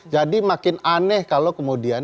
jadi makin aneh kalau kemudian